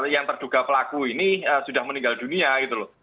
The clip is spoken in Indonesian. yang terduga pelaku ini sudah meninggal dunia gitu loh